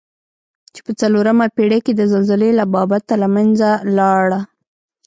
چې په څلورمه پېړۍ کې د زلزلې له بابته له منځه لاړه.